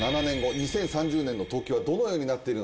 ２０３０年の東京はどのようになっているのか？